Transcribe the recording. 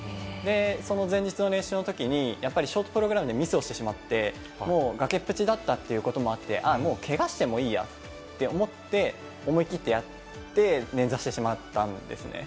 その前日の練習のときに、やっぱりショートプログラムでミスをしてしまって、もう崖っぷちだったということもあって、ああ、もうけがしてもいいやって思って、思い切ってやって、捻挫してしまったんですね。